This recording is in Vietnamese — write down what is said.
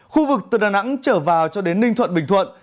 khu vực từ đà nẵng trở vào cho đến ninh thuận bình thuận